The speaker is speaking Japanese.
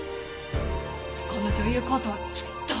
この女優コートはきっと。